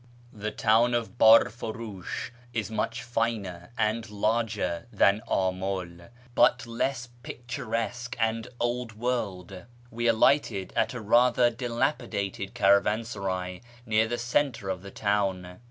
The town of Barfunish is much finer and larger than Amul, but less picturesque and old world. We alighted at a rather dilapidated caravansaray near the centre of the town.